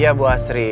iya bu astri